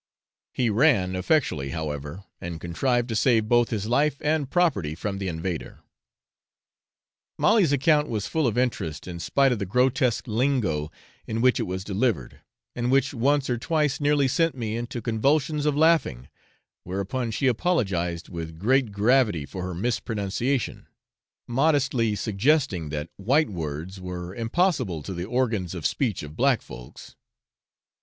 He ran effectually, however, and contrived to save both his life and property from the invader. Molly's account was full of interest, in spite of the grotesque lingo in which it was delivered, and which once or twice nearly sent me into convulsions of laughing, whereupon she apologized with great gravity for her mispronunciation, modestly suggesting that white words were impossible to the organs of speech of black folks.